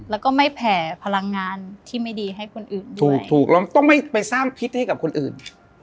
แล้วก็ไม่แผ่พลังงานที่ไม่ดีให้คนอื่นถูกถูกเราต้องไม่ไปสร้างพิษให้กับคนอื่น